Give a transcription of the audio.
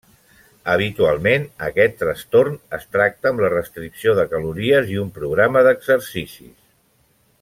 Habitualment aquest trastorn es tracta amb la restricció de calories i un programa d'exercicis.